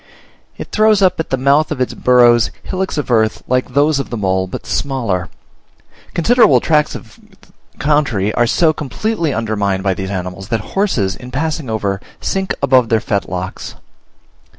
It throws up at the mouth of its burrows hillocks of earth like those of the mole, but smaller. Considerable tracts of country are so completely undermined by these animals, that horses in passing over, sink above their fetlocks.